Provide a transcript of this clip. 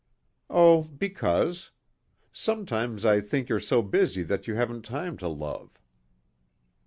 "Oh because. Sometimes I think you're so busy that you haven't time to love."